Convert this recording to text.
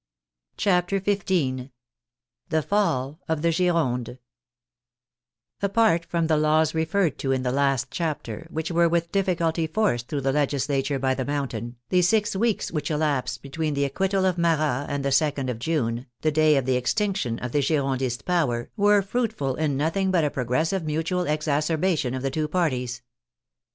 CHAPTER XV THE FALL OF THE GIRONDE Apart from the laws referred to in the last chapter, which were with difficulty forced through the Legisla ture by the Mountain, the six weeks which elapsed be tween the acquittal of Marat and the 2d of June, the day of the extinction of the Girondist power, were fruit ful in nothing but a progressive mutual exacerbation of the two parties.